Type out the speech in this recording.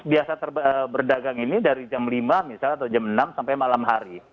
biasa berdagang ini dari jam lima misalnya atau jam enam sampai malam hari